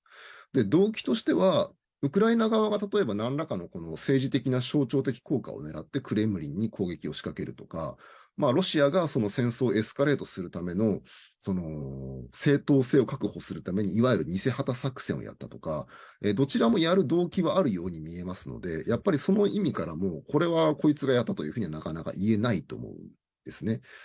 動機としては、ウクライナ側が例えば何らかの政治的な象徴的効果を狙ってクレムリンに攻撃を仕掛けるとかロシアが戦争をエスカレートするための正当性を確保するためにいわゆる偽旗作戦だとかどちらもやる動機はあるように見えますのでやっぱりその意味からもこれはこいつがやったというふうにはなかなか言えないと思うんですね。